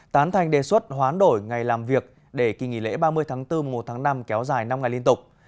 tán thành đề xuất hoán đổi ngày làm việc để kỳ nghỉ lễ ba mươi tháng bốn mùa một tháng năm kéo dài năm ngày liên tục